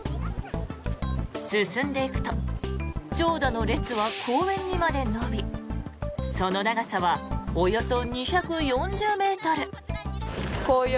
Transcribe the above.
進んでいくと長蛇の列は公園にまで延びその長さはおよそ２４０ｍ。